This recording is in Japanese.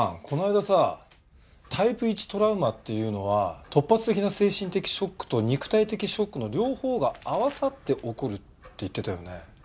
この間さタイプ１トラウマっていうのは突発的な精神的ショックと肉体的ショックの両方が合わさって起こるって言ってたよね？